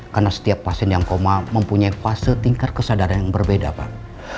karena setiap pasien yang koma mempunyai fase tingkat kesadaran yang berbeda pak